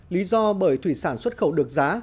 lý do bởi thủy sản xuất khẩu được giá